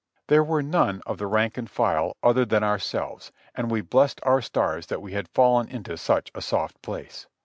There were none of the rank and file other 2l8 JOHNNY REB AND BILLY YANK than ourselves, and we blessed our stars that we had fallen into such a soft place.